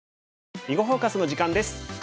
「囲碁フォーカス」の時間です。